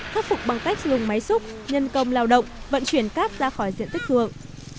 khắc phục bằng cách dùng máy xúc nhân công lao động vận chuyển cát ra khỏi diện tích thượng